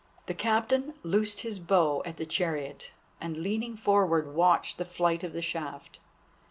The Captain loosed his bow at the chariot, and leaning forward watched the flight of the shaft.